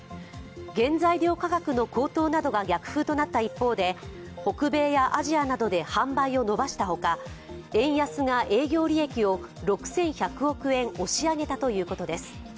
原材料価格の高騰などが逆風となった一方で北米やアジアなどで販売を伸ばしたほか、円安が営業利益を６１００億円押し上げたということです。